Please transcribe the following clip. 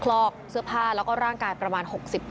คลอกเสื้อผ้าแล้วก็ร่างกายประมาณ๖๐